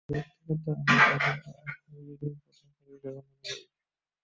ব্যক্তিগতভাবে আমি তাঁকে আধুনিক যুগের প্রথম কবি হিসেবে গণ্য করতে চাই।